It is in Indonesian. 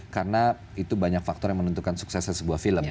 karena itu banyak faktor yang menentukan suksesnya sebuah film